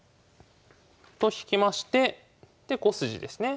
と引きましてで５筋ですね。